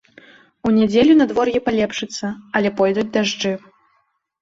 У нядзелю надвор'е палепшыцца, але пойдуць дажджы.